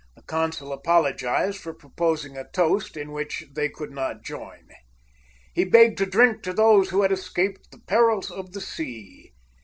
The consul apologized for proposing a toast in which they could not join. He begged to drink to those who had escaped the perils of the sea.